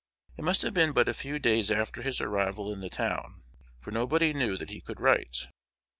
It must have been but a few days after his arrival in the town, for nobody knew that he could write.